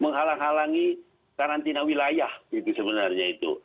menghalang halangi karantina wilayah gitu sebenarnya itu